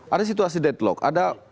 ada situasi deadlock ada